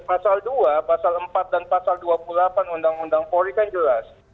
pasal dua pasal empat dan pasal dua puluh delapan undang undang polri kan jelas